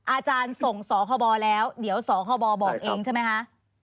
อาจารย์ส่งสาวคร้อบอแล้วเดี๋ยวสาวคร้อบอบอกเอ็งใช่ไหมค่ะ